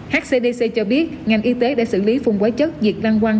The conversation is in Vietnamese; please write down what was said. hcdc cho biết ngành y tế đã xử lý phùng quái chất diệt văn quăng